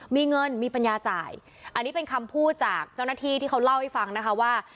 มีเงินมีปัญญาจ่ายอันนี้เป็นคำพูดจากเจ้าหน้าที่ที่เขาเล่าให้ฟังนะคะว่า